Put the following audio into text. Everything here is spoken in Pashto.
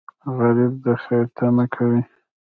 غریب د خیر تمه کوي